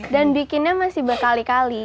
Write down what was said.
dan bikinnya masih berkali kali